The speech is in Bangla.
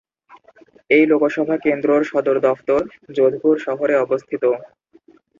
এই লোকসভা কেন্দ্রর সদর দফতর যোধপুর শহরে অবস্থিত।